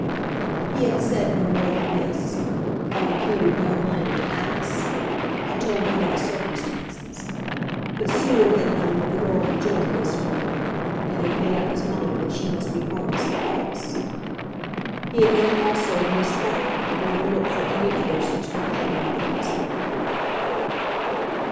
He had said no more than this, had imputed no blame to Alice, had told none of the circumstances; but Seward had known that the girl had jilted his friend, and had made up his mind that she must be heartless and false. He had known also that his friend would never look for any other such companion for his home.